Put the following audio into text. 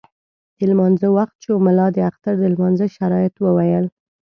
د لمانځه وخت شو، ملا د اختر د لمانځه شرایط وویل.